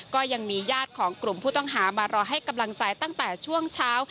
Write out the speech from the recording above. ก็ยังมีญาติของกลุ่มผู้ต้องหามารอให้กำลังใจตั้งแต่ช่วงเช้า